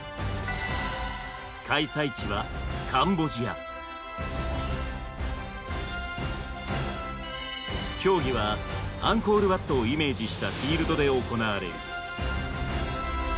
開催地は競技はアンコール・ワットをイメージしたフィールドで行われる。